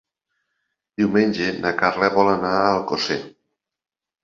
Diumenge na Carla vol anar a Alcosser.